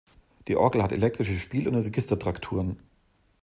Die Orgel hat elektrische Spiel- und Registertrakturen.